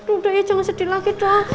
udah ya jangan sedih lagi dah